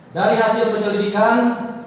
dari hasil penyelidikan